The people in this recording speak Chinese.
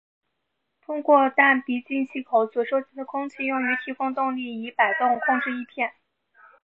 通过弹鼻进气口所收集的空气用于提供动力以摆动控制翼片。